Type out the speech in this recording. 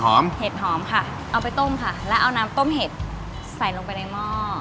เห็ดหอมค่ะเอาไปต้มค่ะแล้วเอาน้ำต้มเห็ดใส่ลงไปในหม้อ